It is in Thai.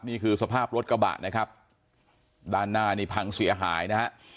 นี่คือสภาพรถกระบะนะครับด้านหน้านี่พังเสียหายนะฮะ